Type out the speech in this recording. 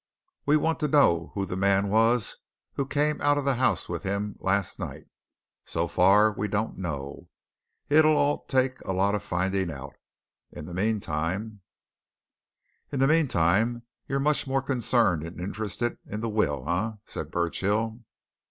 We want to know who the man was who came out of the House with him last night so far we don't know. It'll all take a lot of finding out. In the meantime " "In the meantime, you're much more concerned and interested in the will, eh?" said Burchill.